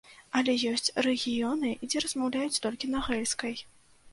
Але ёсць рэгіёны, дзе размаўляюць толькі на гэльскай.